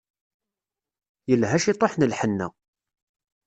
Yelha ciṭuḥ n lḥenna.